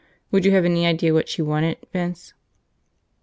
Would you have any idea what she wanted, Vince?"